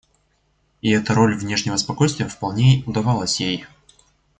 И эта роль внешнего спокойствия вполне удавалась ей.